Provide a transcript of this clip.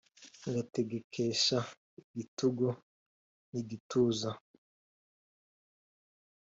Ngategekesha igitugu n'igituza?